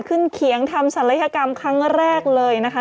เขียงทำศัลยกรรมครั้งแรกเลยนะคะ